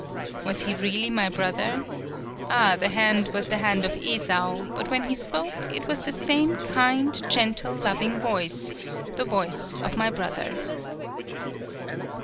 Was he really my brother? Ah, the hand was the hand of Esau, but when he spoke, it was the same kind, gentle, loving voice the voice of my brother."